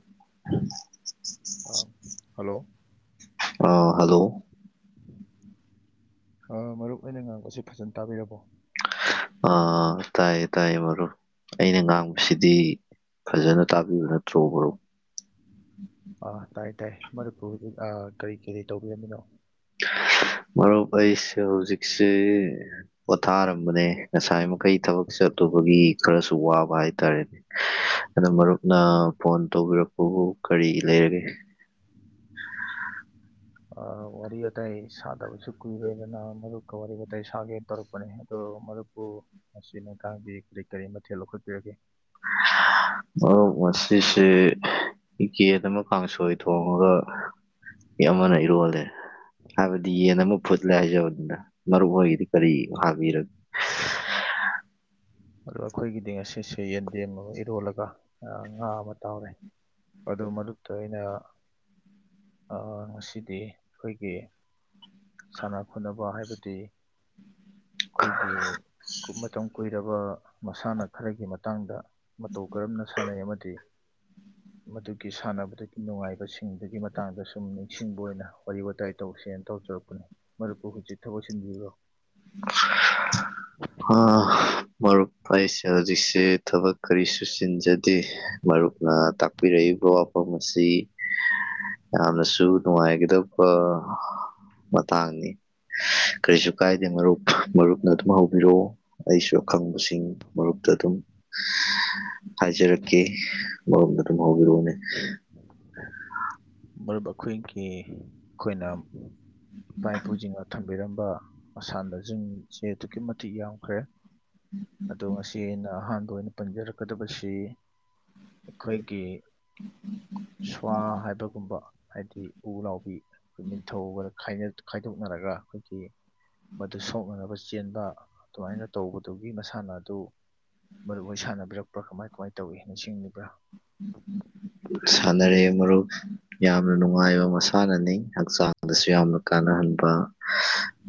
ꯑ [unintelligible] ꯍꯂꯣ ꯑꯥ ꯍꯜꯂꯣ ꯑꯥ ꯃꯔꯨꯞ ꯑꯩꯅ ꯉꯥꯡꯕꯁꯤ ꯐꯖꯅ ꯇꯥꯕꯤꯔꯕꯣ ꯑ ꯇꯥꯏꯌꯦ ꯇꯥꯏꯌꯦ ꯃꯔꯨꯞ ꯑꯩꯅ ꯉꯥꯡꯕꯁꯤꯗꯤ ꯐꯖꯅ ꯇꯥꯕꯤꯕ ꯅꯠꯇ꯭ꯔꯣꯕ꯭ꯔꯣ ꯑꯥ ꯇꯥꯏ ꯇꯥꯏ ꯃꯅꯤꯄꯨꯔ ꯍꯧꯖꯤꯛ ꯀꯔꯤ ꯀꯔꯤ ꯇꯧꯕꯤꯔꯝꯃꯤꯅꯣ ꯃꯔꯨꯞ ꯑꯩ ꯑꯩꯁꯦ ꯍꯧꯖꯤꯛꯁꯦ ꯄꯣꯊꯥꯔꯝꯕꯅꯦ ꯉꯁꯥꯏ ꯃꯈꯩ ꯊꯕꯛ ꯆꯠꯂꯨꯕꯒꯤ ꯈꯔꯁꯨ ꯋꯥꯕ ꯍꯥꯏꯇꯥꯔꯦꯅꯦ ꯑꯗꯣ ꯃꯔꯨꯞꯅ ꯐꯣꯟ ꯇꯧꯕꯤꯔꯛꯄꯕꯨ ꯀꯔꯤ ꯂꯩꯔꯒꯦ [inaudible] ꯑ ꯋꯥꯔꯤ ꯋꯥꯇꯥꯏ ꯁꯥꯗꯕꯁꯨ ꯀꯨꯏꯔꯦꯗꯅꯗꯨ ꯋꯥꯔꯤ ꯋꯥꯇꯥꯏ ꯁꯥꯒꯦꯅ ꯇꯧꯔꯛꯄꯅꯦ ꯑꯗꯣ ꯃꯔꯨꯞꯄꯨ ꯃꯁꯤ ꯃꯇꯥꯡꯗꯤ ꯀꯔꯤ ꯀꯔꯤ ꯃꯊꯦꯜ ꯂꯧꯈꯠꯄꯤꯔꯒꯦ ꯑꯣ ꯉꯁꯤꯁꯦ ꯌꯦꯟ ꯑꯃ ꯀꯥꯡꯁꯣꯏ ꯊꯣꯡꯉꯒ ꯑꯃꯅ ꯏꯔꯣꯜꯂꯦ ꯍꯥꯏꯕꯗꯤ ꯌꯦꯟ ꯑꯃ ꯐꯨꯠꯂꯦ ꯍꯥꯏꯖꯕꯅꯤꯅ ꯃꯔꯨ ꯑꯣꯏꯒꯤꯗꯤ ꯀꯔꯤ ꯍꯥꯕꯤꯔꯒꯦ ꯑ ꯑꯩꯈꯣꯏꯒꯤꯗꯤ ꯉꯁꯤꯁꯦ ꯌꯦꯟꯗꯦꯝ ꯑꯃ ꯏꯔꯣꯜꯂꯒ ꯉꯥ ꯑꯃ ꯇꯥꯎꯔꯦ ꯑꯗꯨ ꯃꯔꯨꯞꯇ ꯑꯩꯅ ꯉꯁꯤꯗꯤ ꯑꯩꯈꯣꯏꯒꯤ ꯁꯥꯟꯅ ꯈꯣꯠꯅꯕ ꯍꯥꯏꯕꯗꯤ ꯑꯩꯈꯣꯏꯒꯤ ꯃꯇꯝ ꯀꯨꯏꯔꯕ ꯃꯁꯥꯟꯅ ꯈꯔꯒꯤ ꯃꯇꯥꯡꯗ ꯃꯇꯧ ꯀꯔꯝꯅ ꯁꯥꯟꯅꯩ ꯑꯃꯗꯤ [inaudible] ꯃꯗꯨꯒꯤ ꯁꯥꯟꯅꯕꯗꯨ ꯅꯨꯡꯉꯥꯏꯕꯁꯤꯡꯗꯨꯒꯤ ꯃꯇꯥꯡꯗ ꯁꯨꯝ ꯅꯤꯡꯁꯤꯡꯕ ꯑꯣꯏꯅ ꯋꯥꯔꯤ ꯋꯥꯇꯥꯏ ꯇꯧꯁꯦꯅ ꯇꯧ ꯃꯔꯨꯞ ꯃꯔꯨꯞꯇꯤ ꯍꯧꯖꯤꯛ ꯊꯕꯛ ꯆꯤꯟꯕꯤꯕꯔꯣ ꯃꯔꯨꯞ ꯑꯩꯁꯦ ꯍꯧꯖꯤꯛꯁꯦ ꯊꯕꯛ ꯀꯔꯤꯁꯨ ꯆꯤꯟꯖꯗꯦ ꯃꯔꯨꯞꯅ ꯇꯥꯛꯄꯤꯔꯛꯏꯕ ꯋꯥꯐꯝ ꯃꯁꯤ [inaudible] ꯌꯥꯝꯅ ꯁꯨ ꯅꯨꯡꯉꯥꯏꯗꯧꯕ ꯃꯇꯥꯡꯅꯤ ꯀꯔꯤꯁꯨ ꯀꯥꯏ ꯍꯥꯏ ꯃꯔꯨꯞ ꯃꯔꯨꯞꯅ ꯑꯗꯨꯝ ꯍꯧꯕꯤꯔꯛꯑꯣ ꯑꯩꯁꯨ ꯑꯈꯪꯕꯁꯤꯡ ꯃꯔꯨꯞꯇ ꯑꯗꯨꯝ ꯍꯥꯏꯖꯔꯛꯀꯦ ꯃꯔꯨꯞꯅ ꯑꯗꯨꯝ ꯍꯧꯕꯤꯔꯛꯑꯣꯅꯦ [inaudible] ꯃꯔꯨꯞ ꯑꯩꯈꯣꯏꯒꯤ ꯑꯩꯈꯣꯏꯅ ꯏꯄꯥ ꯏꯄꯨꯁꯤꯡꯅ ꯊꯝꯕꯤꯔꯝꯕ ꯃꯁꯥꯟꯅꯁꯤꯡꯁꯦ ꯑꯗꯨꯛꯀꯤ ꯃꯇꯤꯛ ꯌꯥꯝꯈ꯭ꯔꯦ ꯑꯗꯣ ꯉꯁꯤ ꯑꯩꯅ ꯑꯍꯥꯟꯕ ꯑꯣꯏꯅ ꯄꯟꯖꯔꯛꯀꯗꯕꯁꯤ ꯑꯩꯈꯣꯏꯒꯤ ꯁ꯭ꯋꯥ ꯍꯥꯏꯕ ꯒꯨꯝꯕ ꯍꯥꯏꯗꯤ ꯎꯅꯥꯎꯕꯤ ꯑꯩꯈꯣꯏ ꯅꯤꯡꯊꯧꯒꯅ ꯈꯥꯏꯅ ꯈꯥꯏꯗꯣꯛꯅꯔꯒ ꯑꯩꯈꯣꯏꯒꯤ ꯃꯗꯨ ꯁꯣꯛꯅꯅꯕ ꯆꯦꯟꯕ ꯑꯗꯨꯃꯥꯏꯅ ꯇꯧꯕꯗꯨꯒꯤ ꯃꯁ ꯁꯥꯟꯅꯗꯨ ꯃꯔꯨ ꯑꯣꯏꯅ ꯁꯥꯟꯅꯕꯤꯔꯛꯄ꯭ꯔꯥ ꯀꯃꯥꯏ ꯀꯃꯥꯏꯅ ꯇꯧꯏ ꯅꯤꯡꯁꯤꯡꯂꯤꯕ꯭ꯔꯥ ꯁꯥꯟꯅꯔꯦ ꯃꯔꯨꯞ ꯌꯥꯝꯅ ꯅꯨꯡꯉꯥꯏꯕ ꯃꯁꯥꯟꯅꯅꯤ ꯍꯛꯆꯥꯡꯗꯁꯨ ꯌꯥꯝꯅ ꯀꯥꯟꯅꯍꯟꯕ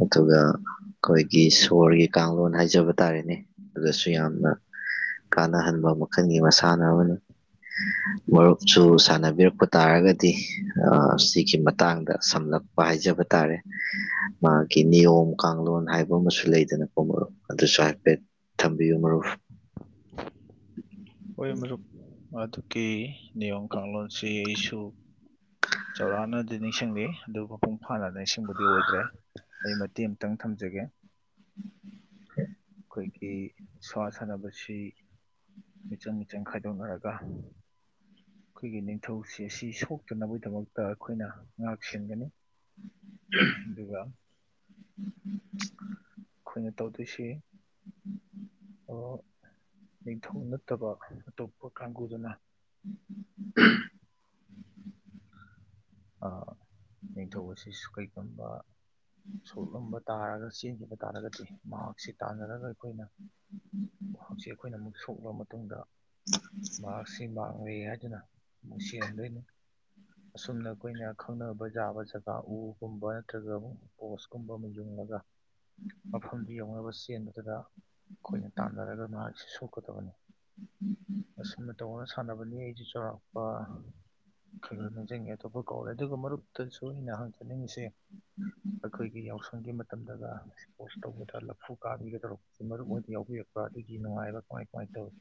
ꯑꯗꯨꯒ ꯑ ꯑꯩꯈꯣꯏꯒꯤ ꯁꯣꯔꯒꯤ ꯀꯥꯡꯂꯣꯟ ꯍꯥꯏꯖꯕ ꯇꯥꯔꯦꯅꯦ ꯑꯗꯨꯁꯨ ꯌꯥꯝꯅ ꯀꯥꯟꯅꯍꯟꯕ ꯃꯈꯜꯒꯤ ꯃꯁꯥꯟꯅ ꯑꯃꯅꯤ ꯃꯔꯨꯞꯁꯨ ꯁꯥꯟꯅꯕꯤꯔꯛꯄ ꯇꯥꯔꯒꯗꯤ ꯁꯤꯒꯤ ꯃꯇꯥꯡꯗ ꯂꯛꯄ ꯍꯥꯏꯖꯕ ꯇꯥꯔꯦ ꯃꯥꯒꯤ ꯅꯤꯌꯣꯝ ꯀꯥꯡꯂꯣꯟ ꯍꯥꯏꯕ ꯑꯃꯁꯨ ꯂꯩꯗꯅꯀꯣ ꯃꯔꯨꯞ ꯑꯗꯨꯁꯨ ꯍꯥꯏꯐꯦꯠ ꯊꯝꯕꯤꯌꯨ ꯃꯔꯨꯞ [unintelligible] [inaudible] ꯑꯣꯏ ꯃꯔꯨꯞ ꯑꯗꯨꯒꯤ ꯅꯤꯌꯣꯝ ꯀꯥꯡꯂꯣꯟꯁꯤ ꯑꯩꯁꯨ ꯆꯥꯎꯔꯥꯛꯅ ꯑꯗꯨ ꯅꯤꯡ ꯁꯤꯡꯂꯤ ꯑꯗꯨ ꯃꯄꯨꯡ ꯐꯥꯅꯗꯅ ꯏꯁꯤꯡꯕꯨꯗꯤ ꯑꯣꯏꯗ꯭ꯔꯦ ꯑꯩ ꯃꯇꯦꯛ ꯑꯃꯇꯪ ꯊꯝꯖꯒꯦ ꯑꯩꯈꯣꯏꯒꯤ ꯁꯥ ꯁꯥꯟꯅꯕꯁꯤ ꯃꯤꯆꯪ ꯃꯤꯆꯪ ꯈꯥꯏꯗꯣꯛꯅꯔꯒ ꯑꯩꯈꯣꯏꯒꯤ ꯅꯤꯡꯊꯧꯁꯤ ꯑꯁꯤ ꯁꯣꯛꯇꯅꯕꯒꯤꯗꯃꯛꯇ ꯑꯩꯈꯣꯏꯅ ꯉꯥꯛ ꯁꯦꯟꯒꯅꯤ ꯑꯗꯨꯒ ꯑꯩꯈꯣꯏꯅ ꯇꯧꯗꯣꯏꯁꯤ ꯎꯝ ꯎꯝ [inaudible] ꯅꯤꯡꯊꯧ ꯅꯠꯇꯕ ꯑꯇꯣꯞꯄ ꯀꯥꯡꯕꯨꯗꯨꯅ [inaudible] ꯅꯤꯡꯊꯧ ꯑꯁꯤ ꯀꯩꯒꯨꯝꯕ ꯁꯣꯛꯂꯝꯕ ꯇꯥꯔꯒꯁꯨ ꯆꯦꯟꯈꯤꯕ ꯇꯥꯔꯒꯗꯤ ꯃꯥꯛꯁꯁꯤ ꯇꯥꯟꯅꯔꯒ ꯑꯩꯈꯣꯏꯅ ꯍꯧꯖꯤꯛ ꯑꯩꯈꯣꯏꯅ ꯑꯃꯨꯛ ꯁꯣꯛꯂꯕ ꯃꯇꯨꯡꯗ ꯃꯍꯥꯛꯁꯤ ꯃꯥꯡꯉꯦ ꯍꯥꯏꯗꯨꯅ ꯑꯃꯨꯛꯁꯤꯍꯟꯗꯣꯏꯅꯤ ꯑꯁꯨꯝꯅ ꯑꯩꯈꯣꯏꯅ ꯈꯪꯅꯕ ꯌꯥꯕ ꯖꯒꯥ ꯎꯒꯨꯝꯕ ꯅꯠꯇ꯭ꯔꯒ ꯄꯣꯁꯀꯨꯝꯕ ꯑꯃ ꯌꯨꯡꯂꯒ ꯃꯐꯝꯗꯨ ꯌꯧꯅꯕ ꯆꯦꯟꯕꯗꯨꯗ ꯑꯩꯈꯣꯏꯅ ꯇꯥꯟꯅꯔꯒ ꯃꯥ ꯁꯣꯛꯀꯗꯕꯅꯤ ꯃꯁꯤꯃ ꯇꯧꯅ ꯁꯥꯟꯅꯕꯅꯤ ꯑꯩꯁꯨ ꯆꯥꯎꯔꯥꯛꯄ ꯈꯩꯜ ꯅꯤꯡꯁꯤꯡꯉꯦ ꯑꯇꯣꯞꯄ ꯀꯧꯔꯦ ꯑꯗꯨꯒ ꯃꯔꯨꯞꯇꯁꯨ ꯑꯩꯅ ꯍꯪꯖꯅꯤꯡꯉꯤꯁꯦ ꯑꯩꯈꯣꯏꯒꯤ ꯌꯥꯎꯁꯪꯒꯤ ꯃꯇꯝꯗꯒ ꯏꯁꯄꯣꯔꯠꯁ ꯇꯧꯕꯗ ꯂꯐꯨ ꯀꯥꯕꯤꯒ ꯇꯧꯔꯛꯄꯁꯤ ꯃꯔꯨ ꯑꯣꯏꯅ ꯌꯥꯎꯕꯤꯔꯛꯄ ꯄ ꯑꯗꯨꯒꯤ ꯅꯨꯡꯉꯥꯏꯕ ꯀꯃꯥꯏ ꯀꯃꯥꯏꯅ ꯇꯧꯋꯤ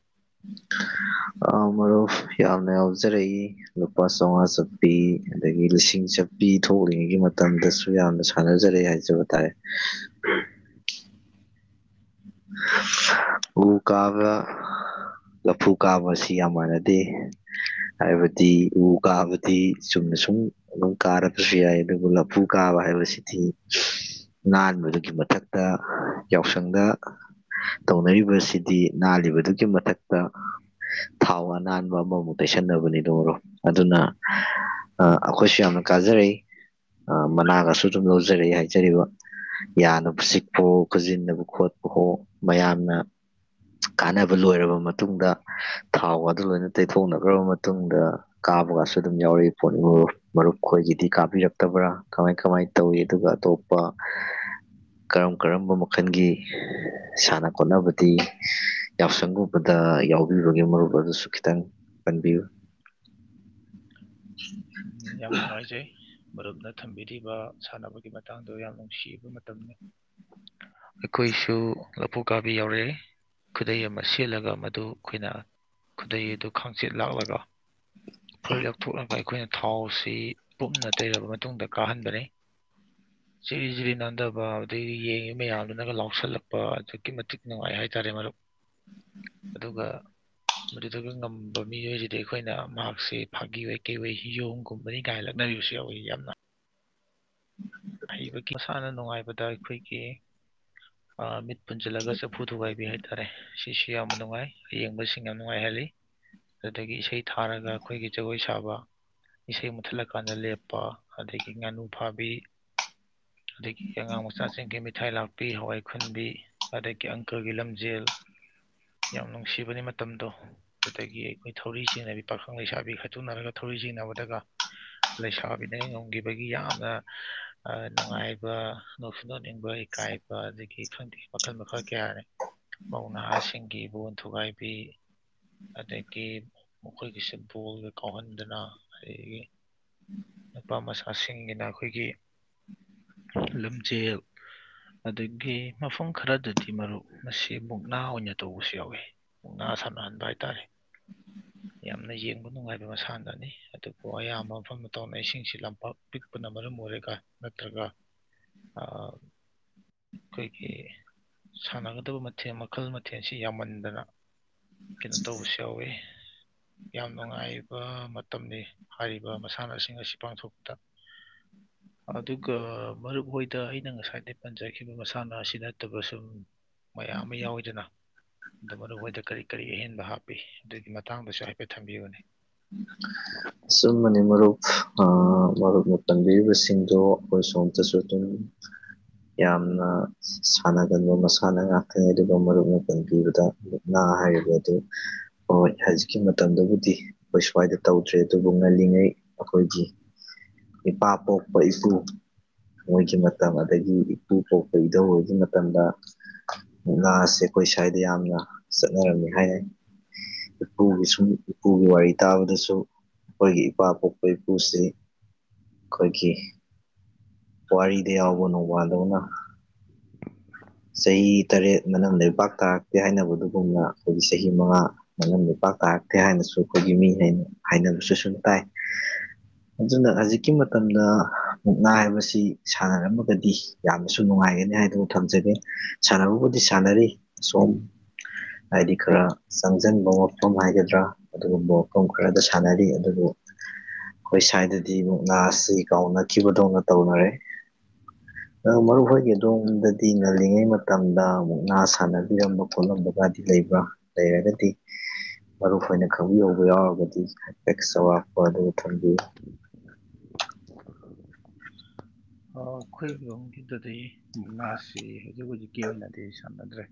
ꯑ ꯃꯔꯨꯞ ꯌꯥꯝꯅ ꯌꯥꯎꯖꯔꯛꯏ ꯂꯨꯄꯥ ꯁꯣꯉ ꯁꯄꯤ ꯑꯗꯒꯤ ꯂꯤꯁꯤꯡ ꯆꯠꯄꯤ ꯊꯣꯛꯂꯤꯉꯩꯒꯤ ꯃꯇꯝꯗꯁꯨ ꯌꯥꯝꯅ ꯁꯥꯟꯅꯖꯔꯛꯑꯦ ꯍꯥꯏꯖꯕ ꯇꯥꯥꯏꯦ ꯎ ꯀꯥꯕ ꯂꯐꯨ ꯀꯥꯕ ꯑꯁꯤ ꯌꯥꯝ ꯃꯥꯟꯅꯗꯦ ꯍꯥꯏꯕꯗꯤ ꯎ ꯀꯥꯕꯗꯤ ꯁꯨꯝ ꯑꯗꯨꯝ ꯀꯥꯔꯄꯁꯨ ꯌꯥꯏ ꯑꯗꯨꯕꯨ ꯂꯐꯨ ꯀꯥꯕ ꯍꯥꯏꯕꯁꯤꯗꯤ ꯅꯥꯟꯕꯗꯨꯒꯤ ꯃꯊꯛꯇ ꯌꯥꯎꯁꯪꯗ ꯇꯧꯅꯔꯤꯕꯁꯤꯗꯤ ꯅꯥꯜꯂꯤꯕꯗꯨꯒꯤ ꯃꯊꯛꯇ ꯊꯥꯎ ꯑꯅꯥꯟꯕ ꯑꯃꯃꯨꯛ ꯇꯩꯁꯟꯅꯕꯅꯤꯗꯣ ꯑꯣꯏꯔꯣ ꯑꯗꯨꯅ ꯑ ꯑꯩꯈꯣꯏꯁꯨ ꯌꯥꯝꯅ ꯀꯥꯖꯔꯛꯏ ꯃꯅꯥꯒꯁꯨ ꯑꯗꯨꯝ ꯌꯥꯎꯖꯔꯛꯏ ꯍꯥꯏꯖꯔꯤꯕ ꯌꯥꯅꯕ ꯁꯤꯛꯄ ꯍꯣ ꯈꯨꯖꯤꯟꯅꯕ ꯈꯣꯠꯄ ꯍꯣ ꯃꯌꯥꯝꯅ ꯀꯥꯟꯅꯕ ꯂꯣꯏꯔꯕ ꯃꯇꯨꯡꯗ ꯊꯥꯎ ꯑꯗꯨ ꯂꯣꯏꯅ ꯇꯩꯊꯣꯛꯅꯈ꯭ꯔꯕ ꯃꯇꯨꯡꯗ ꯀꯥꯕꯒꯁꯨ ꯑꯗꯨꯝ ꯌꯥꯎꯔꯛꯏ ꯄꯣꯠ ꯃꯔꯨꯞ ꯈꯣꯏꯒꯤꯗꯤ ꯀꯥꯕꯤꯔꯛꯇꯕ꯭ꯔꯥ ꯀꯃꯥꯏ ꯀꯃꯥꯏꯅ ꯇꯧꯏ ꯑꯗꯨꯒ ꯑꯇꯣꯞꯄ ꯀꯔꯝ ꯀꯔꯝꯕ ꯃꯈꯜꯒꯤ ꯁꯥꯟꯅ ꯈꯣꯠꯅꯕꯗꯤ ꯌꯥꯎꯁꯪꯒꯨꯝꯕꯗ ꯌꯥꯎꯕꯤꯕꯒꯤ ꯃꯔꯨꯞ ꯑꯗꯨꯁꯨ ꯈꯤꯇꯪ ꯀꯟꯕꯤꯌꯨ [unintelligible] [inaudible] [unintelligible] [inaudible] ꯌꯥꯝ ꯅꯨꯡꯉꯥꯏꯖꯩ ꯃꯔꯨꯞꯅ ꯊꯝꯕꯤꯔꯤꯕ ꯁꯥꯟꯅꯕꯒꯤ ꯃꯇꯥꯡꯗꯣ ꯌꯥꯝ ꯅꯨꯡꯁꯤꯕ ꯃꯇꯝꯅꯤ꯫ ꯑꯩꯈꯣꯏꯁꯨ ꯂꯐꯨ ꯀꯥꯕꯤ ꯌꯥꯎꯔꯛꯏ꯫ ꯈꯨꯗꯩ ꯑꯃ ꯁꯦꯠꯂꯒ ꯃꯗꯨ ꯑꯩꯈꯣꯏꯅ ꯈꯨꯗꯩ ꯑꯗꯨ ꯈꯥꯡꯆꯦꯠ ꯂꯥꯛꯂꯒ ꯐꯨꯔꯤꯠ ꯂꯧꯊꯣꯛꯂꯒ ꯑꯩꯈꯣꯏꯅ ꯊꯥꯎꯁꯤ ꯄꯨꯝꯅ ꯇꯩꯔꯕ ꯃꯇꯨꯡꯗ ꯀꯥꯍꯟꯕꯅꯤ ꯖꯤꯔꯤ ꯖꯤꯔꯤ ꯅꯥꯟꯗꯕ ꯑꯗꯨꯗꯩ ꯌꯦꯡꯉꯤ ꯃꯌꯥꯝꯗꯨꯅꯒ ꯂꯥꯎꯁꯜꯂꯛꯄ ꯑꯗꯨꯛꯀꯤ ꯃꯇꯤꯛ ꯅꯨꯡꯉꯥꯏ ꯍꯥꯏ ꯆꯥꫪ‌ꯦ ꯃꯔꯨꯞ ꯑꯗꯨꯒ ꯃꯗꯨꯗꯥꯒ ꯉꯝꯕ ꯃꯤꯑꯣꯏꯁꯤꯗꯤ ꯑꯩꯈꯣꯏꯅ ꯃꯍꯥꯛꯁꯦ ꯐꯥꯒꯤ ꯋꫭꯏ ꯀꯩꯋꫭꯏ ꯌꫭꯡꯒꯨꯕꯅꯤ ꯒꯥꯏꯅ ꯂꯛꯅꯔꯤꯕꯁꯨ ꯌꯥꯎꯋꯤ ꯌꯥꯝꯅ ꯑꯥꯍꯩꯕꯒꯤ ꯃꯁꯥꯟꯅ ꯅꯨꯡꯉꯥꯏꯕꯗ ꯑꯩꯈꯣꯏꯒꯤ ꯑꯥ ꯃꯤꯠ ꯄꯨꯟꯁꯤꯜꯂꯒ ꯆꯐꯨ ꯊꯨꯒꯥꯏꯕꯤ ꯍꯥꯏꯇꯥꯔꯦ ꯁꯤꯁꯨ ꯌꯥꯝ ꯅꯨꯡꯉꯥꯏ ꯐꯌ‌ꯦꯡꯕꯁꯤꯡ ꯌꯥꯝ ꯅꯨꯡꯉꯥꯏꯍꯜꯂꯤ ꯑꯗꯥꯒꯤ ꯏꯁꯩ ꯊꯥꯔꯒ ꯑꯩꯈꯣꯏꯒꯤ ꯖꯒꯣꯏ ꯁꯥꯕ ꯏꯁꯩ ꯃꯨꯊꯠꯂꯀꯥꯟꯗ ꯂꯦꯞꯄ ꯑꯗꯒꯤ ꯉꯥꯅꯨ ꯐꯥꯕꯤ ꯑꯗꯒꯤ ꯑꯉꯥꯡ ꯃꯆꯥꯁꯤꯡꯒꯤ ꯃꯤꯊꯥꯏ ꯂꯥꯛꯄꯤ ꯍꯋꯥꯏ ꯈꯨꯟꯕꯤ ꯑꯗꯒꯤ ꯑꯪꯀꯥꯒꯤ ꯂꯝꯖꯦꯜ ꯌꯥꯝ ꯅꯨꯡꯁꯤꯕꯅꯤ ꯃꯇꯝ ꯃꯇꯝꯗꯣ ꯑꯗꯥꯒꯤ ꯑꯩꯈꯣꯏ ꯊꯧꯔꯤ ꯆꯤꯡꯅꯕꯤ ꯄꯥꯈꯪ ꯂꯩꯁꯥꯕꯤ ꯈꯛꯇꯨꯅꯔꯒ ꯊꯧꯔꯤ ꯆꯤꯡꯅꯕꯗꯒ ꯂꯩꯁꯥꯕꯤꯅꯒ ꯉꯝꯒꯤꯕꯒꯤ ꯌꯥꯝꯅ ꯑꯥ ꯅꯨꯡꯉꯥꯏꯕ ꯅꫭꯛꯁꯨ ꯅꯣꯛꯅꯤꯡꯕ ꯏꯀꯥꯏꯕ ꯑꯗꯒꯤ ꯈꯪꯗꯦ ꯃꯈꯜ ꯃꯈꯥ ꯀꯌꯥꯅ‌ꯦ ꯃꯧ ꯅꯍꯥꯁꯤꯡꯒꯤ ꯕꯣꯟ ꯊꯨꯒꯥꯏꯕꯤ꯫ ꯑꯗꯒꯤ ꯃꯈꯣꯏꯒꯤꯁꯦ ꯕꯣꯜꯒ ꯀꯥꯎꯍꯟꯗꯅ ꯑꯗꯒꯤ ꯅꯨꯄꯥ ꯃꯆꯥꯁꯤꯡꯒꯤꯅ ꯑꯩꯈꯣꯏꯒꯤ ꯂꯝꯖꯦꯜ ꯑꯗꯒꯤ ꯃꯐꯝ ꯈꯔꯗꯗꯤ ꯃꯔꯨꯞ ꯃꯁꯤ ꯃꯨꯛꯅꯥ ꯑꯣꯏꯅ ꯇꯧꯕꯁꯨ ꯌꯥꯎꯋꯤ ꯃꯨꯛꯅꯥ ꯁꯥꯟꯅꯍꯟꯕ ꯍꯥꯏꯇꯥꯔꯦ꯫ ꯌꯥꯝꯅ ꯌꯦꯡꯕ ꯅꯨꯡꯉꯥꯏꯕ ꯃꯁꯥꯟꯅꯅꯤ ꯑꯗꯨꯕꯨ ꯑꯌꯥꯝꯕ ꯃꯐꯝꯗ ꯇꯧꯅꯩꯏꯁꯤꯡꯁꯤꯩ ꯂꯝꯄꯥꯛ ꯄꯤꯛꯄꯅ ꯃꯔꯝ ꯑꫭꯏꯔ ꯀꯟ ꯅꯠꯇ꯭ꯔꯒ ꯑꯥ ꯑꯩꯈꯣꯏꯒꯤ ꯁꯥꯟꯅꯒꯗꯕ ꯃꯊꯦꯜ ꯃꯈꯜ ꯃꯊꯦꯜꯁꯤ ꯌꯥꯝꯃꯟꯗꯅ ꯀꯩꯅꯣ ꯇꯧꯕꯁꯨ ꯌꯥꯎꯋꯤ ꯌꯥꯝ ꯅꯨꯡꯉꯥꯏꯕ ꯃꯇꯝꯅꯤ ꯍꯥꯏꯔꯤꯕ ꯃꯁꯥꯟꯅꯁꯤꯡ ꯑꯁꯤ ꯄꯥꯡꯊꯣꯛꯄꯗ [unintelligible] ꯑꯗꯨꯒ ꯃꯔꯨꯞ ꯍꫭꯏꯗ ꯑꯩꯅ ꯉꯁꯥꯏꯗꯩ ꯄꯟꯖꯈꯤꯕ ꯃꯁꯥꯟꯅ ꯑꯁꯤ ꯅꯠꯇꯕ ꯁꯨꯝ ꯃꯌꯥꯝ ꯑꯃ ꯌꯥꯎꯋꯤꯗꯅ ꯗꯨꯕꯨ ꯑꯅꯧꯕꯑꫭꯏꯇ ꯀꯔꯤ ꯀꯔꯤ ꯑꯍꯦꯟꯕ ꯍꯥꯞꯄꯤ ꯑꯗꯨꯒꯤ ꯃꯇꯥꯡꯗꯁꯨ ꯍꯥꯏꯐꯦꯠ ꯊꯝꯕꯤꯌꯨꯅꯦ ꯑꯆꯨꯝꯕꯅ‌ꯦ ꯃꯔꯨꯞ ꯑꯥ ꯃꯔꯨꯞꯅ ꯄꯟꯕꯤꯔꯤꯕꯁꯤꯡꯗꯣ ꯑꯩꯈꯣꯏ ꯁꯣꯝꯇꯁꯨ ꯑꯗꯨꯝ ꯌꯥꯝꯅ ꯁꯥꯟꯅꯒꯟꯕ ꯃꯁꯥꯟꯅ ꯉꯥꯛꯇꯅꯤ ꯑꯗꯨꯒ ꯃꯔꯨ ꯑꯣꯏꯅ ꯄꯟꯕꯤꯕꯗ ꯃꯨꯛꯅ ꯍꯥꯏꯔꯤꯕ ꯑꯗꯨ ꯍꯣꯏ ꯍꯧꯖꯤꯛꯀꯤ ꯃꯇꯝꯗꯥꯕꯨꯗꯤ ꯑꯩꯈꯣꯏ ꯁ꯭ꯋꯥꯏꯗ ꯇꯧꯗ꯭ꯔꯦ ꯑꯗꯨꯕꯨ ꯉꯜꯂꯤꯉꯩ ꯑꯩꯈꯣꯏꯒꯤ ꯏꯄꯥꯄꯣꯛꯄ ꯏꯄꯨ ꯃꯣꯏꯒꯤ ꯃꯇꯝ ꯑꯗꯒꯤ ꯏꯄꯨ ꯄꯣꯛꯄ ꯏꯙꯧ ꯍꫭꯏꯒꯤ ꯃꯇꯝꯗ ꯃꯨꯛꯅꯁꯦ ꯑꯩꯈꯣꯏ ꯁꯏꯗ ꯌꯥꯝꯅ ꯆꯠꯅꯔꯝꯃꯤ ꯍꯥꯏꯅꯩ꯫ ꯨ ꯏꯄꯨꯒꯤꯁꯨꯝ ꯏꯄꯨꯒꯤ ꯋꯥꯔꯤ ꯇꯥꯕꯗꯁꯨ ꯑꯩꯈꯣꯏꯒꯤ ꯏꯄꯥ ꯄꯣꯛꯄ ꯏꯄꯨꯁꯤ ꯑꯩꯈꯣꯏꯒꯤ ꯋꯥꯔꯤꯗ ꯌꯥꯎꯕ ꯅꯣꯡꯕꯥꯟꯗꯧꯅ ꯆꯍꯤ ꯇꯔꯦꯠ ꯃꯅꯝ ꯂꯩꯄꯥꯛ ꯇꯥꯔꯛꯇ‌ꯦ ꯍꯥꯏꯅꯕ ꯗꯨꯒꯨꯝꯅ ꯑꯩꯒꯤ ꯆꯍꯤ ꯃꯉꯥ ꯃꯅꯝꯂꯩꯄꯥꯛ ꯇꯥꯔꯛꯇꯦ ꯍꯥꯏꯅꯁꯨ ꯑꯩꯈꯣꯏꯒꯤ ꯃꯤꯒꯩꯅ ꯍꯥꯏꯅꯕꯁꯨ ꯁꯨꯝ ꯇꯥꯏ꯫ ꯑꯗꯨꯅ ꯍꯧꯖꯤꯛꯀꯤ ꯃꯇꯝꯗ ꯃꯨꯛꯅꯥ ꯍꯥꯏꯕꯁꯤ ꯁꯥꯟꯅꯔꯝ ꯃꯒꯗꯤ ꯌꯥꯝꯅꯁꯨ ꯅꯨꯡꯉꯥꯏ ꯑꯦ ꯅ‌ꯑꯥꯏ ꯗꫭ ꯊꯝꯖꯜꯂꯦ ꯁꯥꯟꯅꯕꯕꯨꯗꯤ ꯁꯥꯟꯅꯔꯤ ꯁꯣꯝ ꯍꯥꯏꯗꯤ ꯈꯔ ꯆꯪꯖꯟꯕ ꯃꯐꯝ ꯍꯥꯏꯒꯗ꯭ꯔꯥ ꯑꯗꯨꯒꯨꯝꯕ ꯃꯐꯝ ꯈꯔꯗ ꯁꯥꯟꯅꯔꯤ ꯑꯗꯨꯕꯨ [inaudible] ꯑꯩꯈꯣꯏ ꯁ꯭ꯋꯥꯏꯗꯗꯤ ꯃꯨꯛꯅꯥ ꯑꯁꯤ ꯀꯥꯎꯅꯈꯤꯕꯗꯧꯅ ꯇꯧꯅꯔꯦ ꯑ ꯃꯔꯨ ꯍꯣꯏꯒ ꯑꯣꯝꯗꯗꯤ ꯉꯜꯂꯤꯉꯩ ꯃꯇꯝꯗ ꯑꯃꯨꯛ ꯉꯥ ꯁꯥꯟꯅꯕꯤꯔꯝꯕ ꯈꯣꯠꯂꯝꯕꯒꯗꯤ ꯂꯩꯕ꯭ꯔꯥ ꯂꯩꯔꯒꯗꯤ ꯃꯔꯨꯅ ꯈꯪꯕꯤꯍꯧꯕ ꯌꯥꯎꯔꯒꯗꯤ ꯍꯥꯏꯄꯦꯛꯁ ꯑꯋꯥꯠꯄ ꯑꯗꯨ ꯊꯝꯕꯤꯌꯨ ꯑꯩꯈꯣꯏꯒꯤꯔꯣꯝꯒꯤꯗꯗꯤ ꯃꯨꯛꯅꯥꯁꯤ ꯍꯧꯖꯤꯛ ꯍꯧꯖꯤꯛꯀꯤ ꯑꯣꯏꯅꯗꯤ ꯁꯥꯟꯅꯗ꯭ꯔꯦ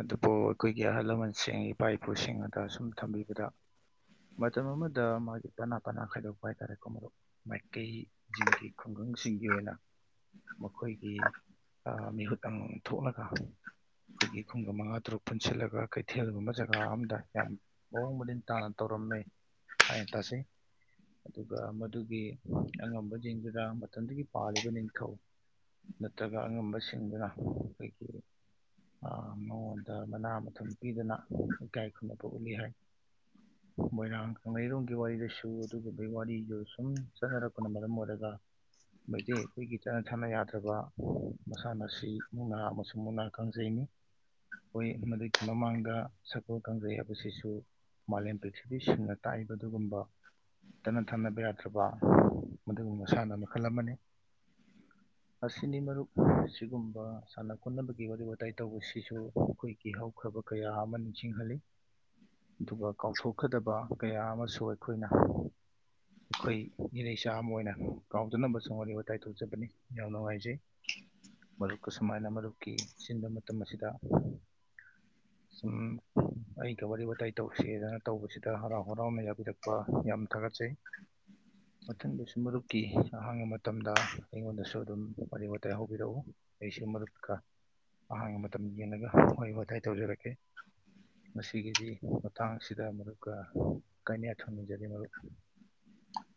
ꯑꯗꯨꯕꯨ ꯑꯩꯈꯣꯏꯒꯤ ꯑꯍꯜ ꯂꯃꯟꯁꯤꯡ ꯏꯄꯥ ꯏꯄꯨꯁꯤꯡ ꯑꯗ ꯁꯨꯝ ꯊꯝꯕꯤꯕꯗ ꯃꯇꯝ ꯑꯃꯗ ꯃꯥꯒꯤ ꯄꯅꯥ ꯄꯅꯥ ꯈꯥꯏꯗꯣꯛꯄ ꯍꯥꯏꯇꯥꯔꯦꯀꯣ ꯃꯩꯇꯩꯁꯤꯡꯒꯤ ꯈꯨꯡꯒꯪ ꯁꯤꯡꯒꯤ ꯑꯣꯏꯅ ꯃꯈꯣꯏꯒꯤ ꯃꯤꯍꯨꯠ ꯑꯃ ꯊꯣꯛꯂꯒ ꯑꯩꯈꯣꯏꯒꯤ ꯈꯨꯡꯒ ꯃꯉꯥ ꯇꯔꯨꯛ ꯄꯨꯟꯁꯤꯜꯂꯒ ꯀꯩꯊꯦꯜꯒꯨꯝꯕ ꯖꯒꯥ ꯑꯝꯗ ꯌꯥꯝ ꯃꯑꯣꯡ ꯃꯔꯤꯟ ꯇꯥꯅ ꯇꯧꯔꯛ ꯝ ꯍꯥꯏ ꯇꯁꯤꯦ [inaudible] ꯑꯗꯨꯒ ꯃꯗꯨꯒꯤ ꯑꯉꯝꯕꯁꯤꯡꯗꯨꯗ ꯃꯇꯝꯗꯨꯒꯤ ꯄꯥꯜꯂꯤꯕ ꯅꯤꯡꯊꯧ ꯅꯠꯇ꯭ꯔꯒ ꯑꯉꯝꯕꯁꯤꯡꯗꯨꯅ ꯑꯩꯈꯣꯏꯒꯤ ꯃꯉꯣꯟꯗ ꯃꯅꯥ ꯃꯊꯨꯝ ꯄꯤꯗꯨꯅ ꯏꯀꯥꯏ ꯈꯨꯝꯅꯕ ꯎꯠꯂꯤ ꯍꯥꯏ ꯃꯣꯏꯔꯥꯡ ꯀꯪꯂꯩꯔꯣꯡꯒꯤ ꯋꯥꯔꯤꯗꯁꯨ ꯑꯗꯨꯒꯨꯝꯕꯒꯤ ꯋꯥꯔꯤꯗꯨ ꯁꯨꯝ ꯆꯠꯅꯔꯛꯄꯅ ꯃꯔꯝ ꯑꯣꯏꯔꯒ ꯃꯩꯇꯩ ꯑꯩꯈꯣꯏꯒꯤ ꯆꯠꯅ ꯊꯥꯅ ꯌꯥꯗ꯭ꯔꯕ ꯃꯁꯥꯟꯅ ꯑꯁꯤ ꯃꯨꯛꯅꯥ ꯑꯃꯁꯨꯡ ꯃꯨꯛꯅꯥ ꯈ ꯀꯥꯡꯖꯩꯅꯤ ꯍꯣꯏ ꯃꯗꯨꯒꯤ ꯃꯃꯥꯡꯗ ꯁꯒꯀꯣꯜ ꯀꯥꯡꯖꯩ ꯍꯥꯏꯕꯁꯤꯁꯨ ꯃꯂꯦꯝꯄꯤꯛꯁꯤꯒꯤ ꯁꯤꯡꯅ ꯇꯥꯛꯏꯕ ꯑꯗꯨꯒꯨꯝꯕ ꯇꯠꯅ ꯊꯥꯅꯕ ꯌꯥꯗ꯭ꯔꯕ ꯃꯗꯨꯒꯨꯝꯕꯁꯥꯟꯅ ꯃꯈꯜ ꯑꯃꯅꯤ ꯑꯁꯤꯅꯤ ꯃꯔꯨꯞ ꯑꯁꯤꯒꯨꯝꯕ ꯁꯥꯟꯅ ꯈꯣꯠꯅꯕꯒꯤ ꯋꯥꯔꯤ ꯋꯥꯇꯥꯏ ꯇꯧꯕꯁꯤꯁꯨ ꯑꯩꯈꯣꯏꯒꯤ ꯍꯧꯈ꯭ꯔꯕ ꯀꯌꯥ ꯑꯃ ꯅꯤꯡꯁꯤꯡꯍꯜꯂꯤ ꯑꯗꯨꯒ ꯀꯥꯎꯊꯣꯛꯀꯗꯕ ꯀꯌꯥ ꯑꯃꯁꯨ ꯑꯩꯈꯣꯏꯅ ꯑꯩꯈꯣꯏ ꯏꯔꯩꯆꯥ ꯑꯃ ꯑꯣꯏꯅ ꯀꯥꯎꯖꯅꯕ ꯁꯪ ꯋꯥꯔꯤ ꯋꯥꯇꯥꯏ ꯊꯣꯛꯖꯕꯅꯤ ꯌꯥꯝ ꯅꯨꯡꯉꯥꯏꯖꯩ ꯃꯔꯨꯞꯀꯁꯨꯨꯃꯥꯏꯅ ꯃꯔꯨꯞꯀꯤ ꯆꯤꯟꯕ ꯃꯇꯝ ꯑꯁꯤꯗ ꯁꯨꯝ ꯑꯩꯒ ꯋꯥꯔꯤ ꯋꯥꯇꯥꯏ ꯇꯧꯁꯦꯗꯅ ꯇꯧꯕꯁꯤꯗ ꯍꯔꯥꯎ ꯍꯔꯥꯎꯅ ꯌꯥꯕꯤꯔꯛꯄ ꯌꯥꯝ ꯊꯥꯒꯠ ꯃꯊ ꯕꯤꯁ ꯃꯔꯨꯔꯨꯞ ꯀꯤ ꯑꯍꯥꯡꯕ ꯃꯇꯝꯗ ꯑꯩꯉꯣꯟꯗꯁꯨ ꯑꯗꯨꯝ ꯋꯥꯔꯤ ꯋꯥꯇꯥꯏ ꯍꯧꯕꯤꯔꯛꯎ ꯑꯩꯁꯨ ꯃꯔꯨꯞꯀ ꯑꯍꯥꯡꯕ ꯃꯇꯝ ꯌꯦꯡꯉꯒ ꯋꯥꯔꯤ ꯋꯥꯇꯥꯏ ꯇꯧꯖꯔꯛꯀꯦ ꯃꯁꯤꯁꯤꯒꯤꯗꯤ ꯃꯇꯥꯡꯁꯤꯗ ꯃꯔꯨꯞꯀ ꯀꯥꯏꯩꯅ ꯊꯝꯃꯤꯖꯔꯤ ꯃꯔꯨꯞ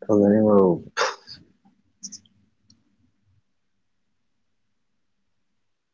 ꯑꯅꯦꯑꯣ [inaudible]